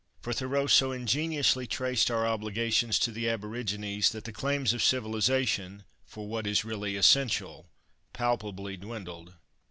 For Thoreau so ingeniously traced our obligations to the aborigines that the claims of civilization for what is really essential palpably dwindled.